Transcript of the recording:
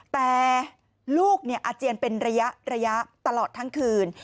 แต่ลูกอาเจียนเป็นระยะตลอดทั้งคืน